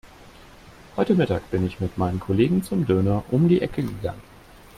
Heute Mittag bin ich mit meinen Kollegen zum Döner um die Ecke gegangen.